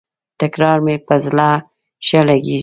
تکرار مي پر زړه ښه لګیږي.